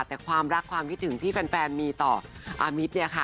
แต่ความรักความคิดถึงที่แฟนมีต่ออามิตเนี่ยค่ะ